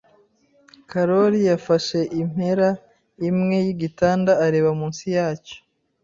Karoli yafashe impera imwe yigitanda areba munsi yacyo.